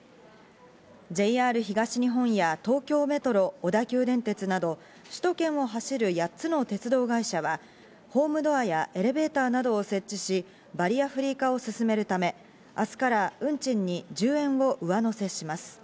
ＪＲ東日本や東京メトロ、小田急電鉄など首都圏を走る８つの鉄道会社はホームドアやエレベーターなどを設置し、バリアフリー化を進めるため、明日から運賃に１０円を上乗せします。